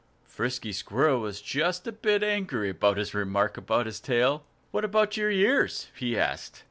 Frisky Squirrel was just a bit angry at this remark about his tail. "What about your ears?" he asked.